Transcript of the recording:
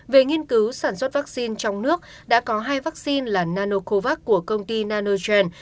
về nghiên cứu sản xuất vaccine trong nước đã có hai vaccine là nanocovax của công ty nanogen